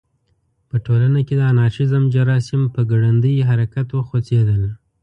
په ټولنه کې د انارشیزم جراثیم په ګړندي حرکت وخوځېدل.